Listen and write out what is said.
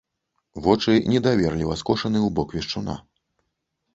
Вочы недаверліва скошаны ў бок вешчуна.